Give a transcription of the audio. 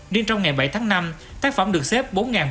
điên trong ngày bảy tháng năm tác phẩm được xếp